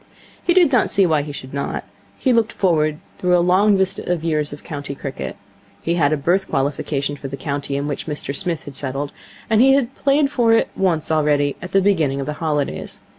He did not see why he should not. He looked forward through a long vista of years of county cricket. He had a birth qualification for the county in which Mr Smith had settled, and he had played for it once already at the beginning of the holidays.